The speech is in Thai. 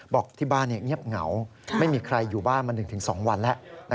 บอกที่บ้านเงียบเหงาไม่มีใครอยู่บ้านมา๑๒วันแล้ว